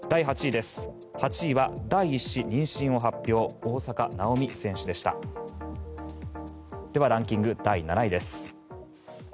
では、ランキング第７位です。